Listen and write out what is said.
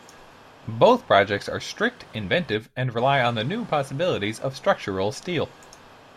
Both projects are strict, inventive, and rely on the new possibilities of structural steel.